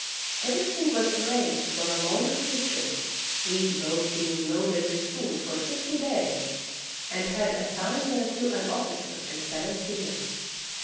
Everything was arranged for a long sea trip, each boat being loaded with food for sixty days and had as signed thereto an officer and seven seamen.